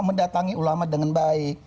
mendatangi ulama dengan baik